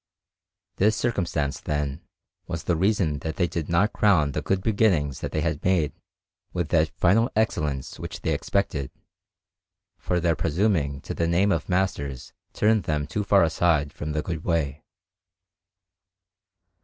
This circumstance, then, was the reason that they did not crown the good beginnings that they had made with that final excellence which they expected; for their presuming to the name of masters turned them too far aside from the good way.